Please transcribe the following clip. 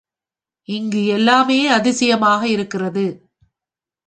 இங்கு எல்லாமே அதிசயமாக இருக்கிறது.